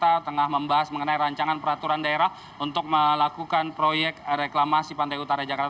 dan kami juga pernah membahas mengenai rancangan peraturan daerah untuk melakukan proyek reklamasi pantai utara jakarta